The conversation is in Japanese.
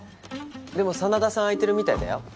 でも真田さん空いてるみたいだよ。